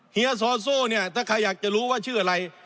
เฮียซอโซ่เนี่ยถ้าใครอยากจะรู้ว่าชื่ออะไร